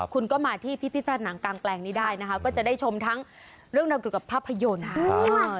คุณก็มาที่พิพิธภัณฑ์หนังกลางแปลงนี้ได้นะคะก็จะได้ชมทั้งเรื่องราวเกี่ยวกับภาพยนตร์